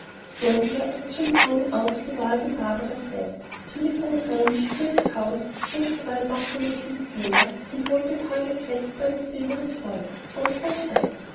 "So you are actually going out to the wild and barbarous West, to live on a ranch, milk cows, chase the wild buffalo to its lair, and hold the tiger cat by its favorite forelock," wrote Rose Red.